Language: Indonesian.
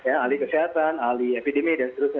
ahli kesehatan ahli epidemi dan seterusnya